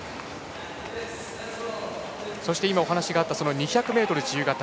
そして、今お話があった２００ｍ自由形。